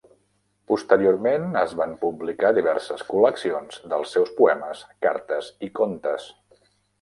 Posteriorment es van publicar diverses col·leccions dels seus poemes, cartes i contes.